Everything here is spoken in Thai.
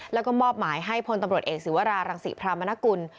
แล้วก็มอบหมายให้พลตำรวจเอกศิวรารังศิพรามนกุล